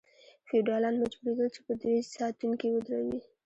فیوډالان مجبوریدل چې په دوی ساتونکي ودروي.